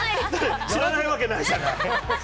知らないわけないじゃない。